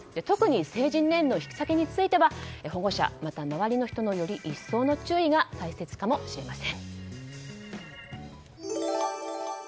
特に成人年齢の引き下げについては保護者また、周りの人のより一層の注意が大切かもしれません。